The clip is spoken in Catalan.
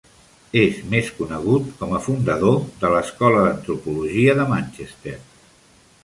És més conegut com a fundador de l'Escola d'Antropologia de Manchester.